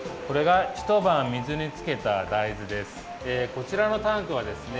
こちらのタンクはですね